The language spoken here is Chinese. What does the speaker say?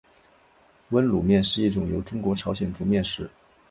温卤面是一种中国朝鲜族面食。